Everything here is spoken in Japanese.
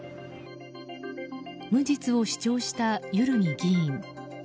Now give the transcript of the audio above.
無実を主張した万木議員。